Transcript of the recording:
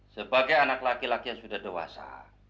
sebagai anak laki laki yang sudah dewasa